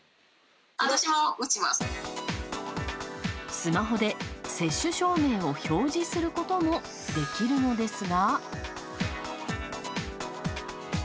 スマホで接種証明を表示することもできるのですが。